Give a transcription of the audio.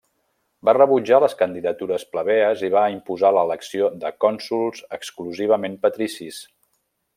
Va rebutjar les candidatures plebees i va imposar l'elecció de cònsols exclusivament patricis.